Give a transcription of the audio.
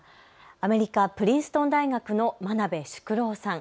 アメリカ・プリンストン大学の真鍋淑郎さん